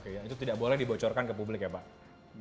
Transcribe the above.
oke itu tidak boleh dibocorkan ke publik ya pak